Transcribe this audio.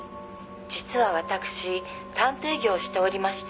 実は私探偵業をしておりまして」